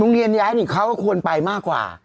เรียนย้ายนี่เขาก็ควรไปมากกว่า